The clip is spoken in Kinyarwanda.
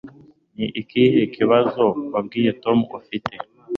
Ni ikihe kibazo wabwiye Tom ufite